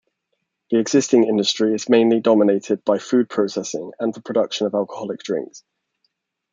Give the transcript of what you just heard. The existing industry is mainly dominated by food-processing and the production of alcoholic drinks.